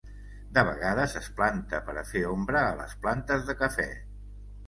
De vegades es planta per a fer ombra a les plantes de cafè.